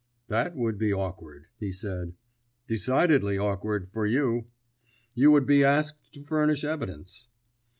"That would be awkward," he said. "Decidedly awkward for you." "You would be asked to furnish evidence."